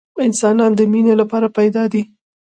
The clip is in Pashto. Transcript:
انسانان د مینې لپاره پیدا دي